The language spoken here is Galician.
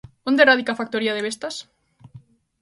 ¿Onde radica a factoría de Vestas?